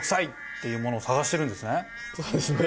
そうですね